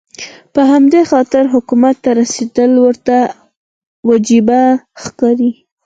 په همدې خاطر حکومت ته رسېدل ورته وجیبه ښکاري.